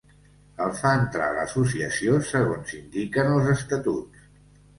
El fa entrar a l'associació segons indiquen els estatuts.